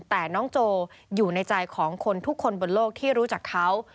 แต่น้องโจอยู่ในใจของคนทุกคนบนโลกที่รู้จักเขา